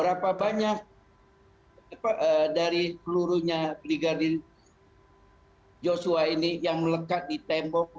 berapa banyak dari pelurunya brigadir joshua ini yang melekat di tembok